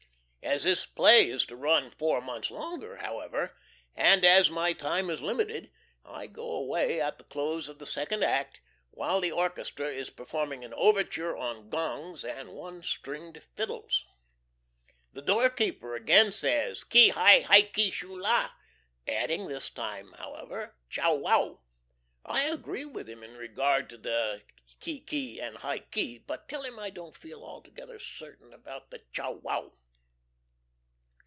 As this play is to run four months longer, however, and as my time is limited, I go away at the close of the second act, while the orchestra is performing an overture on gongs and one stringed fiddles. The door keeper again says, "Ki hi hi ki! Shoolah!" adding, this time however, "Chow wow." I agree with him in regard to the ki hi and hi ki, but tell him I don't feel altogether certain about the chow wow.